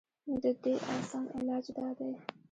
د دې اسان علاج دا دے